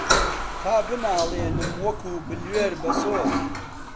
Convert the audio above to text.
تا بناڵێنم وەکوو بلوێر بەسۆز